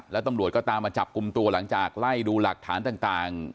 แล้วตำรวจก็ตามมาจับกลุ่มตัวหลังจากไล่ดูหลักฐานต่าง